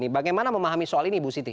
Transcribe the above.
bagaimana memahami soal ini ibu siti